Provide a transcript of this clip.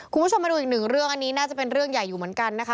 คุณผู้ชมมาดูอีกหนึ่งเรื่องอันนี้น่าจะเป็นเรื่องใหญ่อยู่เหมือนกันนะคะ